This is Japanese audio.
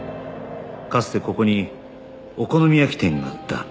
かつてここにお好み焼き店があった